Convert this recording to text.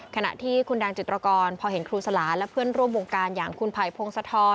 ขณะที่คุณแดงจิตรกรพอเห็นครูสลาและเพื่อนร่วมวงการอย่างคุณไผ่พงศธร